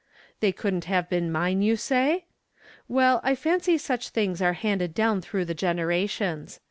They couldn't have been mine, you say ? Well, I fancy such things are handed down through the generations.